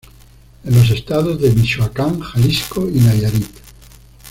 En los estados de Michoacán, Jalisco y Nayarit.